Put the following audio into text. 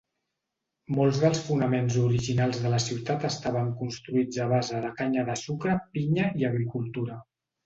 Molts dels fonaments originals de la ciutat estaven construïts a base de canya de sucre, pinya i agricultura.